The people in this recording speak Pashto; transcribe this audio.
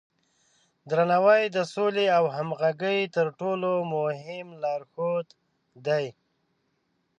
درناوی د سولې او همغږۍ تر ټولو مهم لارښود دی.